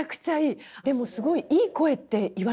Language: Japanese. でもすごいいい声って言われませんか？